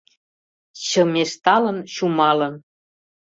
Чымешталын чумалын